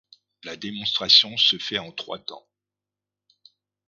La démonstration se fait en trois temps.